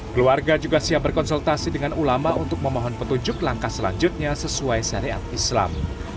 keluarga juga siap berkonsultasi dengan ulama untuk memohon petunjuk langkah selanjutnya sesuai syariat islam